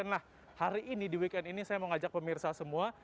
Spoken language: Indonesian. nah hari ini di weekend ini saya mau ngajak pemirsa semua